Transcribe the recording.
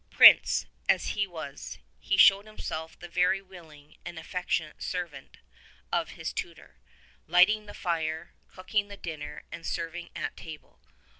Prince as he was, he showed himself the very willing and affectionate servant of his tutor, lighting the fire, cooking the dinner and serving at table.